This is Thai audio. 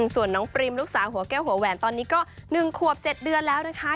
ส่วนน้องปริมลูกสาวหัวแก้วหัวแหวนตอนนี้ก็๑ขวบ๗เดือนแล้วนะคะ